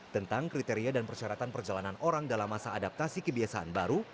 tentang kriteria dan persyaratan perjalanan orang dalam masa adaptasi kebiasaan baru